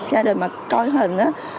gia đình mà coi hình á